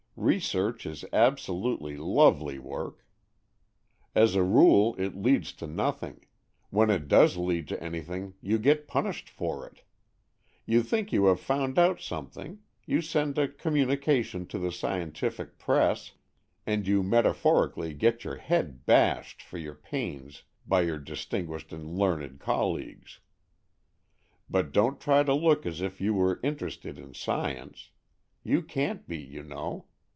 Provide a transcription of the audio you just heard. Research is absolutely lovely work. As a rule, it leads to nothing; when it does lead to anything, you get punished for it. You think you have AN EXCHANGE OF SOULS 9 found out something, you send a communi cation to the scientific press, and you meta phorically get your head bashed for your pains by your distinguished and learned colleagues. But don't try to look as if you were interested in science. You can't be, you know.